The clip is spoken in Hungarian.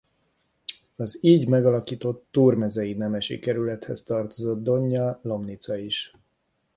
Az így megalakított Túrmezei Nemesi Kerülethez tartozott Donja Lomnica is.